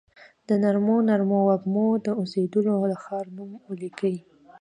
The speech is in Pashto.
د نرمو نرمو وږمو، د اوسیدولو د ښار نوم ولیکي